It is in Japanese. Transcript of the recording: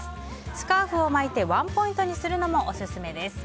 スカーフを巻いてワンポイントにするのもオススメです。